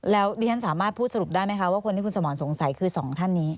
แล้วดิฉันสามารถพูดสรุปได้ไหมคะว่าคนที่คุณสมรสงสัยคือสองท่านนี้